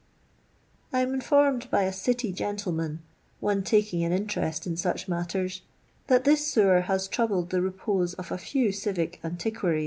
I am informed by a City gentleman — one tak ing an interest in snch matteri— that this sewer has troubled the repose of a few civic antiquaries^ \.